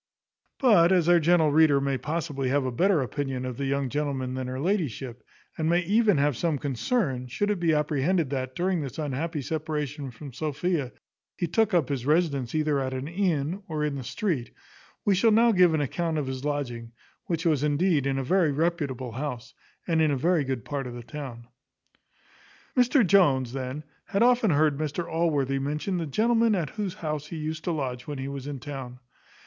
But as our gentle reader may possibly have a better opinion of the young gentleman than her ladyship, and may even have some concern, should it be apprehended that, during this unhappy separation from Sophia, he took up his residence either at an inn, or in the street; we shall now give an account of his lodging, which was indeed in a very reputable house, and in a very good part of the town. Mr Jones, then, had often heard Mr Allworthy mention the gentlewoman at whose house he used to lodge when he was in town.